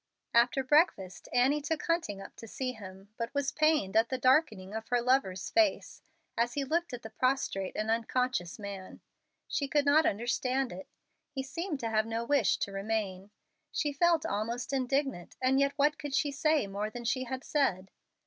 After breakfast Annie took Hunting up to see him, but was pained at the darkening of her lover's face as he looked at the prostrate and unconscious man. She could not understand it. He seemed to have no wish to remain. She felt almost indignant, and yet what could she say more than she had said?